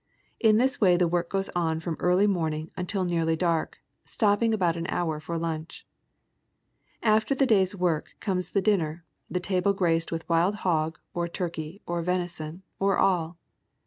In this way the work goes on from early morning until nearly dark, stopping about an hour for lunch. After the day's work comes the dinner, the table graced with wild hog, or turkey, or venison, or all.